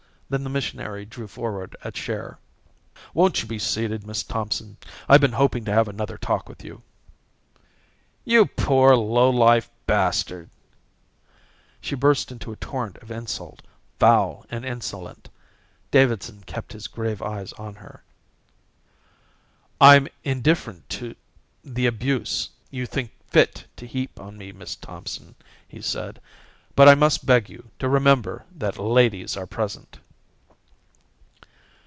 Then the missionary drew forward a chair. "Won't you be seated, Miss Thompson? I've been hoping to have another talk with you." "You poor low life bastard." She burst into a torrent of insult, foul and insolent. Davidson kept his grave eyes on her. "I'm indifferent to the abuse you think fit to heap on me, Miss Thompson," he said, "but I must beg you to remember that ladies are present."